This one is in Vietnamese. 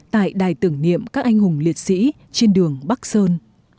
tại đài tưởng niệm các anh hùng liệt sĩ trên đường bắc sơn